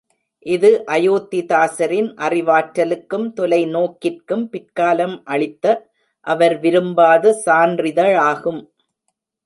இது அயோத்திதாசரின் அறிவாற்றலுக்கும் தொலைநோக்கிற்கும் பிற்காலம் அளித்த அவர் விரும்பாத சான்றிதழாகும்.